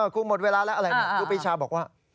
ครูหมดเวลาแล้วอะไรนะครูปีชาบอกว่า